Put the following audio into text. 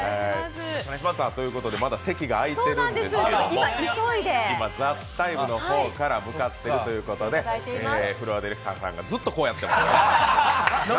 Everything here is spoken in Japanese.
まだ席が空いてるんですけども、今、「ＴＨＥＴＩＭＥ，」の方から向かっているということで、フロアディレクターさんがずっとこうやってます。